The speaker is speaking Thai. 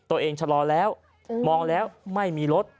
ตัวเองชะลอแล้วมองแล้วไม่มีรถ